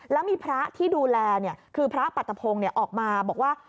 แล้วมีพระที่ดูแลเนี่ยคือพระปัตตะโพงเนี่ยออกมาบอกว่า